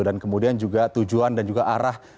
dan kemudian juga tujuan dan juga harga